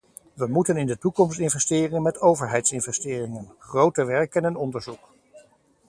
We moeten in de toekomst investeren met overheidsinvesteringen: grote werken en onderzoek.